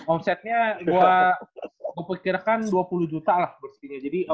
omsetnya gue pikirkan dua puluh juta lah bersihnya